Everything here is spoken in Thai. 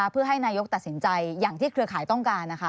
เพื่อให้นายกตัดสินใจอย่างที่เครือข่ายต้องการ